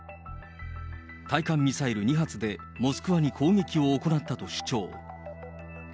対艦ミサイル２発で、モスクワに攻撃を行ったと主張。